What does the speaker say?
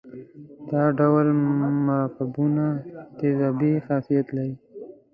دا ډول مرکبونه تیزابي خاصیت لري.